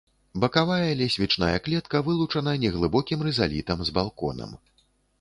Бакавая лесвічная клетка вылучана неглыбокім рызалітам з балконам.